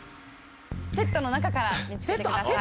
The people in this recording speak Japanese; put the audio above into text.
セットの中から見つけてください。